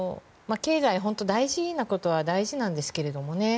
経済、大事なことは大事なんですけどね。